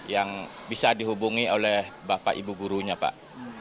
yang bisa dihubungi oleh bapak ibu gurunya pak